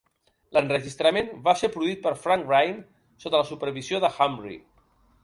L'enregistrament va ser produït per Frank Rynne sota la supervisió de Hamri.